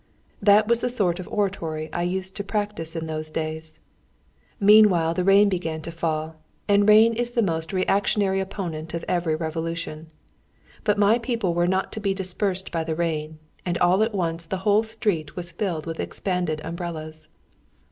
That was the sort of oratory I used to practise in those days! Meanwhile the rain began to fall, and rain is the most reactionary opponent of every revolution. But my people were not to be dispersed by the rain, and all at once the whole street was filled with expanded umbrellas.